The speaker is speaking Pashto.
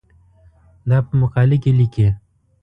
دا په مقاله کې لیکې.